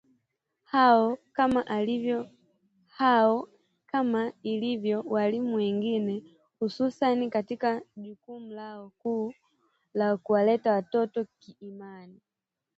hao kama ilivyo walimu wengine hususan katika jukumu lao kuu la kuwalea watoto kiimani